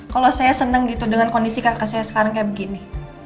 kalau saya senang gitu dengan kondisi kakak saya sekarang kayak begini